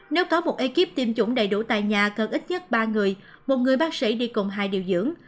nếu có một ekip tiêm chủng đầy đủ tại nhà cần ít nhất ba người một người bác sĩ đi cùng hai điều dưỡng